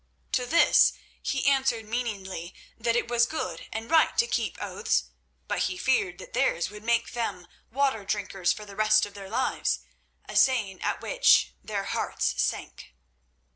To this he answered meaningly that it was good and right to keep oaths, but he feared that theirs would make them water drinkers for the rest of their lives, a saying at which their hearts sank.